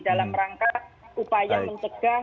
dalam rangka upaya mencegah